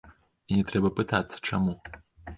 І не трэба пытацца, чаму.